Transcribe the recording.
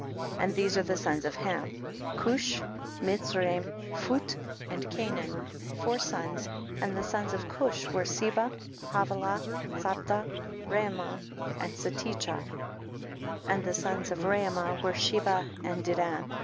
10. And these are the sons of Ham ; Cush, Mitzraim, Phut and Canaan, four sons ; and the sons of Cush were Seba, Havilah, Sabta, Raama and Satecha, and the sons o f Raama were Sheba and Dedan.